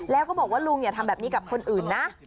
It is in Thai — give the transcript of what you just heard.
แล้วก็บอกว่าลุงอย่าทำแบบนี้กับคนอื่นนะ